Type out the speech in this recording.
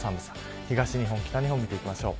東日本、北日本見ていきましょう。